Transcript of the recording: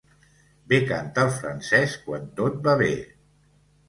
Bé canta el francès, quan tot va bé.